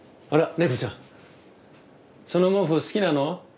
猫ちゃんその毛布好きなの？